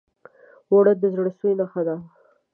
اوړه د زړه سوي نښه ده